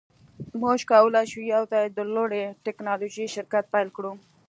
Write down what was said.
موږ کولی شو یوځای د لوړې ټیکنالوژۍ شرکت پیل کړو